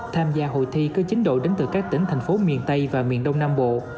tham gia hội thi có chín đội đến từ các tỉnh thành phố miền tây và miền đông nam bộ